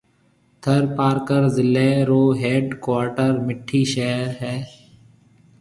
ٿرپارڪر ضلعيَ رو ھيَََڊ ڪوارٽر مٺِي شھر ھيََََ